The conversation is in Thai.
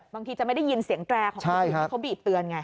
บางทีจะไม่ได้ยินเสียงแตรของคนอื่นที่เขาบีบเตือนไง